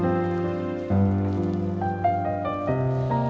iya iya betul betul